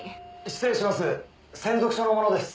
失礼します。